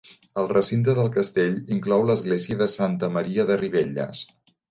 El recinte del castell inclou l'església de Santa Maria de Ribelles.